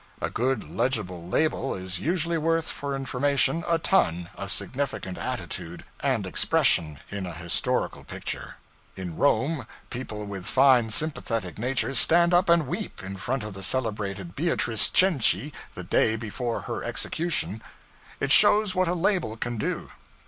A good legible label is usually worth, for information, a ton of significant attitude and expression in a historical picture. In Rome, people with fine sympathetic natures stand up and weep in front of the celebrated 'Beatrice Cenci the Day before her Execution.' It shows what a label can do.